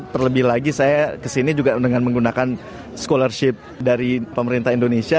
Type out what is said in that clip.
terlebih lagi saya kesini juga dengan menggunakan scholarship dari pemerintah indonesia